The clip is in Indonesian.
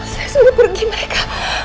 saya suruh pergi mereka